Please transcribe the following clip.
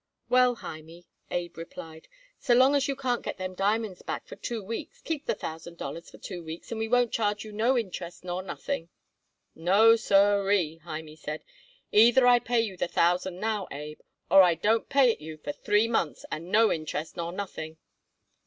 "Well, Hymie," Abe replied, "so long as you can't get them diamonds back for two weeks keep the thousand dollars for two weeks and we won't charge you no interest nor nothing." "No, siree," Hymie said; "either I pay you the thousand now, Abe, or I don't pay it you for three months, and no interest nor nothing."